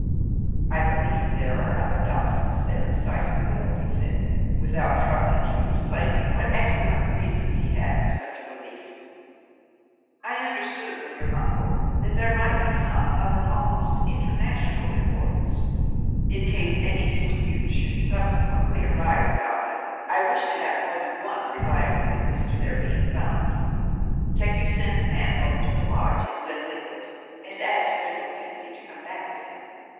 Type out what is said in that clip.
"I believe there are other documents there besides the will," he said, without troubling to explain what excellent reasons he had for such a belief. "I understood from your uncle that there might be some of an almost international importance. In case any dispute should subsequently arise about them, I wish to have more than one reliable witness to their being found. Can you send a man over to the lodge at Glenkliquart, and ask General Tenby to come back with him.